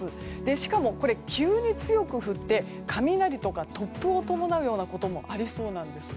しかも、急に強く降って雷とか突風を伴うようなこともありそうなんです。